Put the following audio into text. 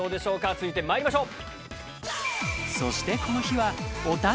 続いてまいりましょう。